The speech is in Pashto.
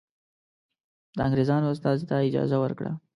د انګرېزانو استازي ته اجازه ورکړه.